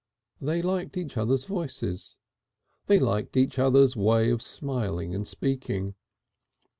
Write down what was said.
They liked each other's voices, they liked each other's way of smiling and speaking.